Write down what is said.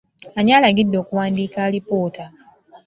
Ani alagidde okuwandiika alipoota?